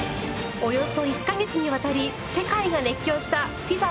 およそ１カ月にわたり世界が熱狂したＦＩＦＡ